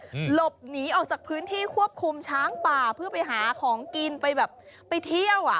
หลบหนีออกจากพื้นที่ควบคุมช้างป่าเพื่อไปหาของกินไปแบบไปเที่ยวอ่ะ